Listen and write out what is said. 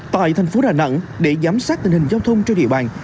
tại thành phố đà nẵng để giám sát tình hình giao thông trên địa bàn